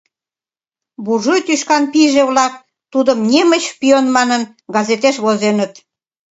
Буржуй тӱшкан пийже-влак, тудым немыч шпион манын, газетеш возеныт.